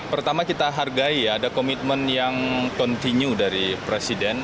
pertama kita hargai ya ada komitmen yang kontinu dari presiden